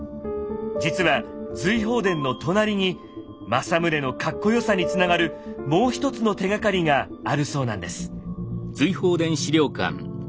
実は瑞鳳殿の隣に政宗のカッコよさにつながるもう一つの手がかりがあるそうなんです。